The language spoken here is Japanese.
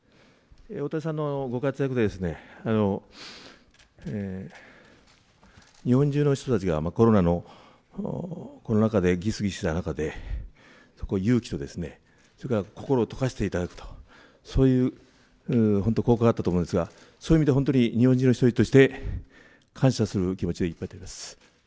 大谷さんのご活躍で、日本中の人たちがコロナ禍でぎすぎすした中で勇気と、それから心を溶かしていただくと、そういう本当効果があったと思うんですが、そういう意味で本当に日本人の１人として感謝する気持ちでいっぱいであります。